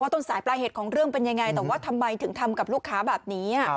ต้นสายปลายเหตุของเรื่องเป็นยังไงแต่ว่าทำไมถึงทำกับลูกค้าแบบนี้